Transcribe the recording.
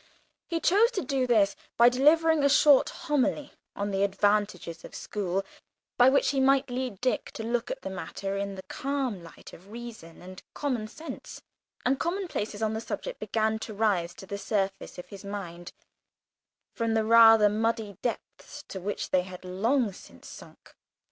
He chose to do this by delivering a short homily on the advantages of school, by which he might lead Dick to look on the matter in the calm light of reason and common sense, and commonplaces on the subject began to rise to the surface of his mind, from the rather muddy depths to which they had long since sunk.